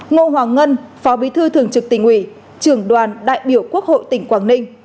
ngô hoàng ngân phó bí thư thường trực tỉnh ủy trưởng đoàn đại biểu quốc hội tỉnh quảng ninh